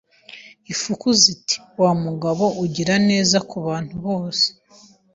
Ifuku ziti Wa mugabo ugira neza kubantu bose